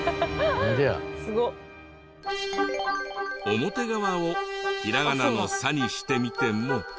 表側をひらがなの「さ」にしてみても。え！